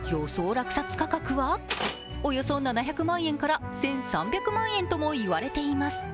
落札価格はおよそ７００万円から１３００万円ともいわれています。